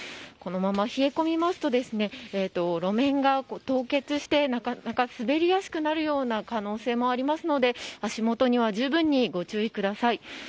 このまま冷え込みますと路面が凍結して滑りやすくなるような可能性もありますので足元には十分にはご注意ください。